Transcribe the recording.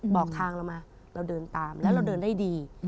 บอกทางเรามาเราเดินตามแล้วเราเดินได้ดี